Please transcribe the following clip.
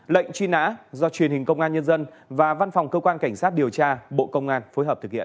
lệnh truy nã do truyền hình công an nhân dân và văn phòng cơ quan cảnh sát điều tra bộ công an phối hợp thực hiện